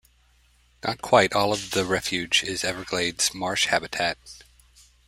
Not quite all of the refuge is Everglades marsh habitat.